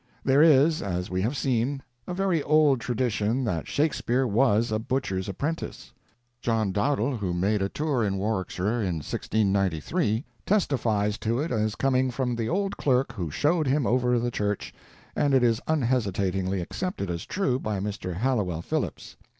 There is, as we have seen, a very old tradition that Shakespeare was a butcher's apprentice. John Dowdall, who made a tour in Warwickshire in 1693, testifies to it as coming from the old clerk who showed him over the church, and it is unhesitatingly accepted as true by Mr. Halliwell Phillipps.